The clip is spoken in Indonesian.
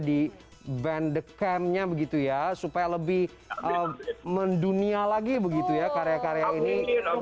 di band campnya begitu ya supaya lebih mendunia lagi begitu ya karya karya ini